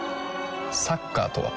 サッカーとは？